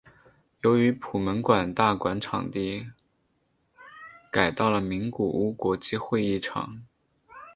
由于普门馆大馆场地改到了名古屋国际会议场。